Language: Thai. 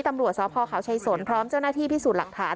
ตำรวจสพเขาชัยสนพร้อมเจ้าหน้าที่พิสูจน์หลักฐาน